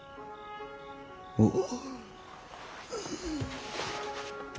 おう。